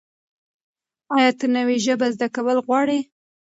ایا ته نوې ژبه زده کول غواړې؟